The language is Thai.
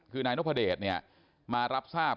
คือนายนพเดชมารับทราบ